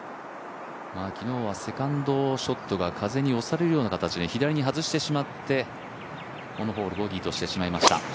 昨日はセカンドショットが風に押されるような形で左に外してしまってこのホール、ボギーとしてしまいました。